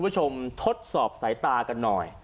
ททดสอบสายตากันหน่อย